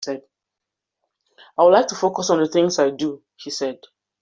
I would like to focus on the things I would do, he said.